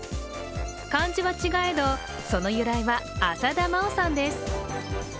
漢字は違えど、その由来は浅田真央さんです。